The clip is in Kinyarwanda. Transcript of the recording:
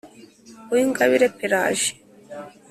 uwingabire pélagie